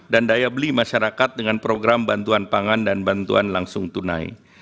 dan daya beli masyarakat dengan program bantuan pangan dan bantuan langsung tunai